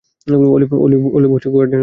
Olive গার্ডেনের লোকটা?